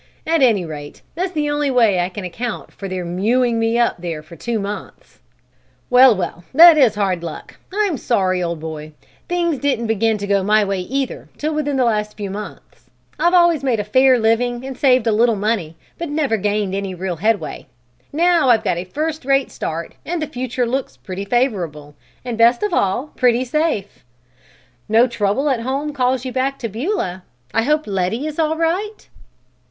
At any rate, that's the only way I can account for their mewing me up there for two months." "Well, well, that is hard luck! I'm sorry, old boy! Things didn't begin to go my way either till within the last few months. I've always made a fair living and saved a little money, but never gained any real headway. Now I've got a first rate start and the future looks pretty favorable, and best of all, pretty safe. No trouble at home calls you back to Beulah? I hope Letty is all right?"